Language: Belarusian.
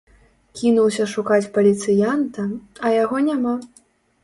Кінуўся шукаць паліцыянта, а яго няма.